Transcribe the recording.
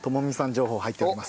情報入っております。